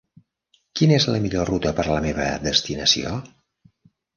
Quina és la millor ruta per a la meva destinació?